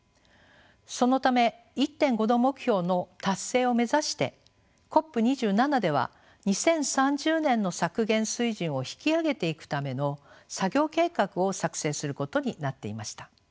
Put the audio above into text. そのため１．５℃目標の達成を目指してＣＯＰ２７では２０３０年の削減水準を引き上げていくための作業計画を作成することになっていました。